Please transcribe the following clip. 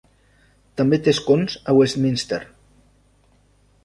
També té escons a Westminster.